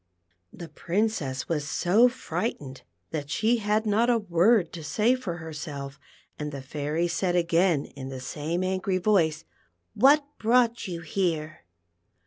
" The Princess was so frightened that she had not a word to say for herself, and the Fairy said again in the same angry voice :" What brought you here